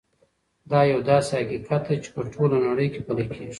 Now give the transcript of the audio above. دا یو داسې حقیقت دی چې په ټوله نړۍ کې پلی کېږي.